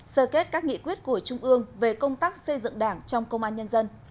sơ kết các nghị quyết của trung ương về công tác xây dựng đảng trong công an nhân dân